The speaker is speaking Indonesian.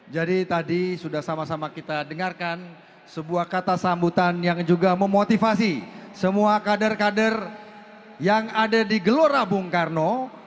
jadi tadi sudah sama sama kita dengarkan sebuah kata sambutan yang juga memotivasi semua kader kader yang ada di gelora bung karno